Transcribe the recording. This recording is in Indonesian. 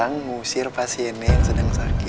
sommer sih saja kita nunggu